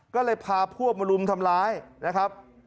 ก็เลยพาพวกมารุมทำร้ายนะครับ